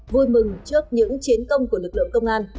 vui mừng trước những chiến công của lực lượng công an